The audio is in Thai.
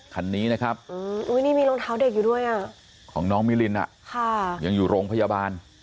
คันนี้นะครับของน้องมิรินยังอยู่โรงพยาบาล